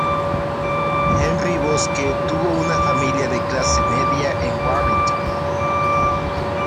Henry Bosque tuvo una familia de clase media en Warrington.